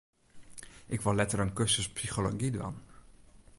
Ik wol letter in kursus psychology dwaan.